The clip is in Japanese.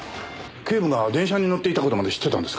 警部が電車に乗っていた事まで知っていたんですか？